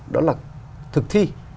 đó là thực thi